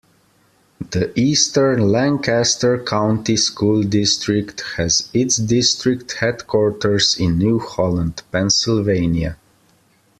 The Eastern Lancaster County School District has its district headquarters in New Holland, Pennsylvania.